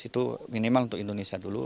itu minimal untuk indonesia dulu